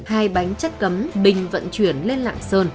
hai bánh chất cấm bình vận chuyển lên lạng sơn